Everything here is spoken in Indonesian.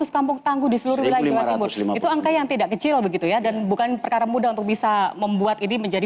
kampung tangguh di seluruh wilayah jawa timur itu angka yang tidak kecil begitu ya dan bukan perkara mudah untuk bisa membuat ini menjadi